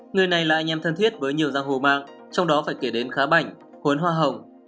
người này là anh em thân thiết với nhiều giang hồ mang trong đó phải kể đến khá bảnh hoa hồng